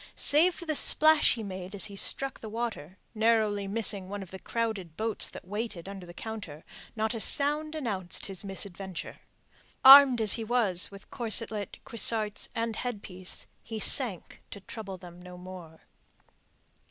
Save for the splash he made as he struck the water, narrowly missing one of the crowded boats that waited under the counter, not a sound announced his misadventure. Armed as he was with corselet, cuissarts, and headpiece, he sank to trouble them no more.